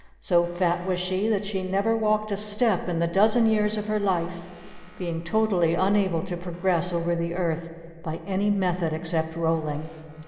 So fat was she that she had never walked a step in the dozen years of her life, being totally unable to progress over the earth by any method except rolling.